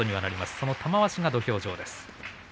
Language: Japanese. その玉鷲が土俵上です。